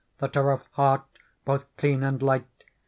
That are of heart both clean and light.